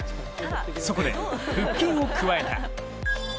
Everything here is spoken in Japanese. そこで腹筋を加えた。